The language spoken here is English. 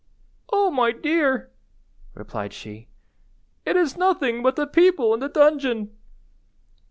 "Oh, my dear," replied she, "it is nothing but the people in the dungeon."